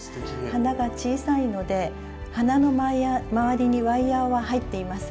花が小さいので花の周りにワイヤーは入っていません。